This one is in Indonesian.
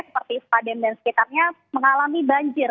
seperti sepadan dan sekitarnya mengalami banjir